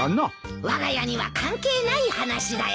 わが家には関係ない話だよ。